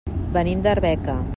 Venim d'Arbeca.